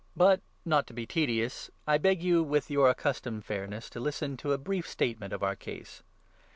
But — not to 4 be tedious — I beg you, with your accustomed fairness, to listen to a brief statement of our case.